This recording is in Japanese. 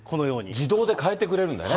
自動で変えてくれるんだね。